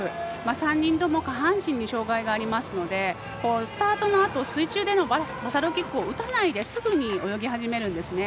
３人とも下半身に障害がありますのでスタートのあと水中でのバサロキックを打たないですぐに泳ぎ始めるんですね。